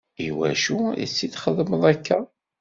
Iwacu i iti-txedmeḍ akka?